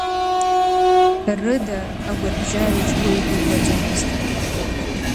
Рыда агәарбжьараҿ уаҩ дубаӡомызт.